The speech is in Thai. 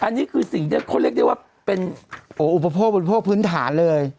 อันนี้คือสิ่งที่เขาเรียกได้ว่าเป็นอุปโภคบริโภคพื้นฐานเลย